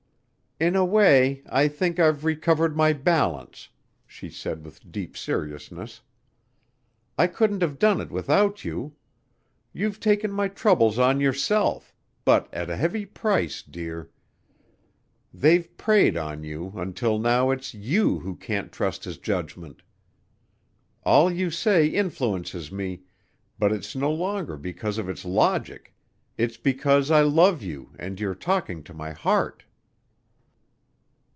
"In a way, I think I've recovered my balance," she said with deep seriousness. "I couldn't have done it without you. You've taken my troubles on yourself, but at a heavy price, dear. They've preyed on you until now it's you who can't trust his judgment. All you say influences me, but it's no longer because of its logic, it's because I love you and you're talking to my heart."